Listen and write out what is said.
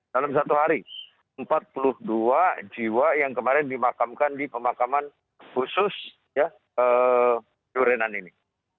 dalam satu hari empat puluh dua jiwa yang kemarin dimakamkan di pemakaman khusus ya durenan ini